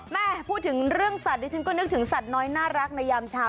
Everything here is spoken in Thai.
พูดถึงเรื่องสัตว์ดิฉันก็นึกถึงสัตว์น้อยน่ารักในยามเช้า